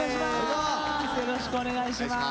よろしくお願いします。